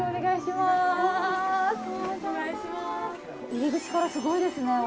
入り口からすごいですね。